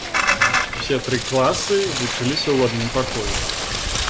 Усе тры класы вучыліся ў адным пакоі.